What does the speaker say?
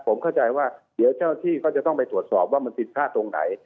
ผมเข้าใจว่าเดี๋ยวเจ้าที่ก็จะต้องไปตรวจสอบว่ามันผิดพลาดตรงไหน